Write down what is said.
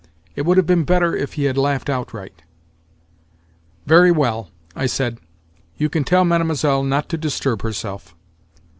It would have been better if he had laughed outright. "Very well," I said, "you can tell Mlle. not to disturb herself.